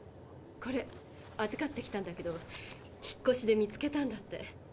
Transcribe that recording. これ預かってきたんだけど引っこしで見つけたんだって。